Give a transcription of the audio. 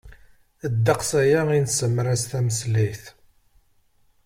Ddeqs aya i nesemras tameslayt.